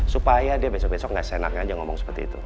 supaya dia besok besok nggak seenaknya aja ngomong seperti itu